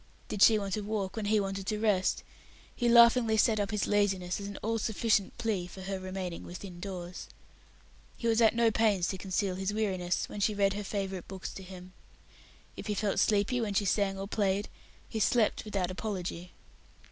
Did she want to walk when he wanted to rest, he laughingly set up his laziness as an all sufficient plea for her remaining within doors. He was at no pains to conceal his weariness when she read her favourite books to him. If he felt sleepy when she sang or played, he slept without apology.